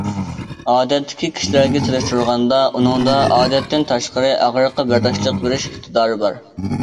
ئادەتتىكى كىشىلەرگە سېلىشتۇرغاندا ئۇنىڭدا ئادەتتىن تاشقىرى ئاغرىققا بەرداشلىق بېرىش ئىقتىدارى بار.